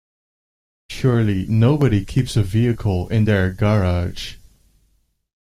Surely nobody keeps a vehicle in their garage?